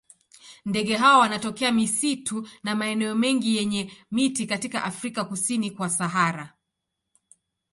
Ndege hawa wanatokea misitu na maeneo mengine yenye miti katika Afrika kusini kwa Sahara.